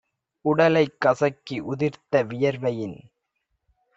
உடலைக் கசக்கி உதிர்த்த வியர்வையின்